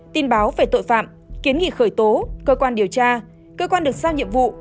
tin báo về tội phạm kiến nghị khởi tố cơ quan điều tra cơ quan được sao nhiệm vụ